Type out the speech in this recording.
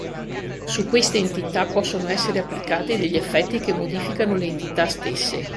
Su queste entità possono essere applicati degli effetti che modificano le entità stesse.